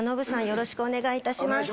よろしくお願いします。